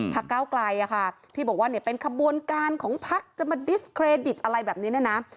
พักก้าวกลายค่ะที่บอกว่าเป็นขบวนการของพักจะมาดิสเครดิตอะไรแบบนี้นะ